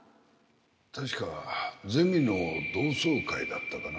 確かゼミの同窓会だったかな。